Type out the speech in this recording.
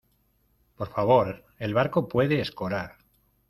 por favor. el barco puede escorar